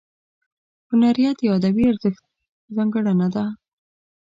هنریت یا ادبي ارزښت ځانګړنه ده.